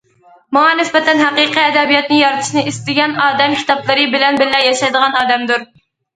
ماڭا نىسبەتەن ھەقىقىي ئەدەبىياتنى يارىتىشنى ئىستىگەن ئادەم كىتابلىرى بىلەن بىللە ياشايدىغان ئادەمدۇر.